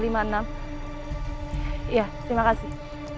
iya terima kasih